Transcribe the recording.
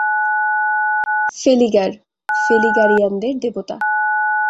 ফেলিগার, ফেলিগারিয়ানদের দেবতা।